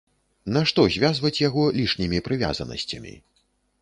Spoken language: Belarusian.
Нашто звязваць яго лішнімі прывязанасцямі?